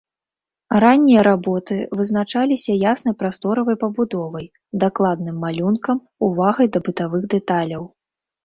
Раннія работы вызначаліся яснай прасторавай пабудовай, дакладным малюнкам, увагай да бытавых дэталяў.